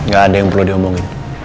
gak ada yang perlu diomongin